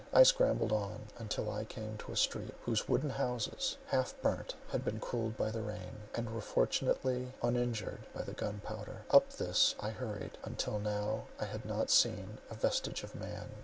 I scrambled on, until I came to a street, whose wooden houses, half burnt, had been cooled by the rain, and were fortunately uninjured by the gunpowder. Up this I hurried—until now I had not seen a vestige of man.